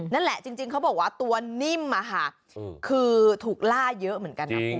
นั่นแหละจริงเขาบอกว่าตัวนิ่มคือถูกล่าเยอะเหมือนกันนะคุณ